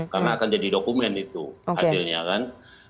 karena akan jadi dokumen itu hasilnya kan